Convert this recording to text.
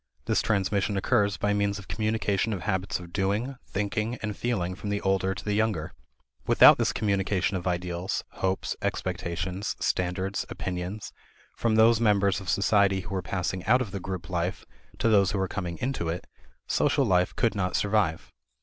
This transmission occurs by means of communication of habits of doing, thinking, and feeling from the older to the younger. Without this communication of ideals, hopes, expectations, standards, opinions, from those members of society who are passing out of the group life to those who are coming into it, social life could not survive.